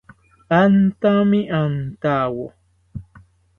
Antami antawo